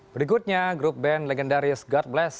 berikutnya grup band legendaris god bless